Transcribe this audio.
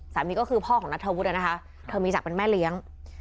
สามีก็คือพ่อของนัทธวุฒินะคะเธอมีศักดิ์เป็นแม่เลี้ยง